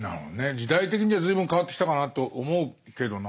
時代的には随分変わってきたかなと思うけどな。